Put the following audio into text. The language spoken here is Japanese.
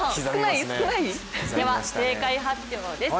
では正解発表です。